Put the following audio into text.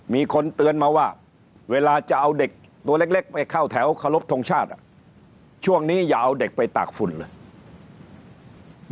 มีคนเตือนมาว่าเวลาจะเอาเด็กตัวเล็กไปเข้าแถวเคารพทงชาติช่วงนี้อย่าเอาเด็กไปตากฝุ่นเลย